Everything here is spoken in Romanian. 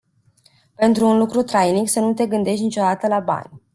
Pentru un lucru trainic să nu te gândești niciodată la bani.